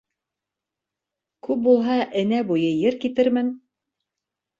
Күп булһа, энә буйы ер китермен.